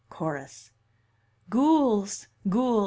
Chorus: Gules! Gules!